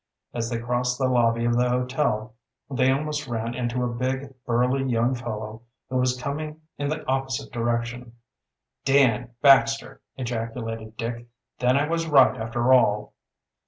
As they crossed the lobby of the hotel they almost ran into a big, burly young fellow who was coming in the opposite direction. "Dan Baxter!" ejaculated Dick. "Then I was right after all."